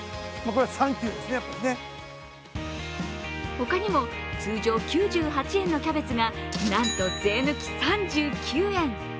他にも、通常９８円のキャベツがなんと税抜き３９円。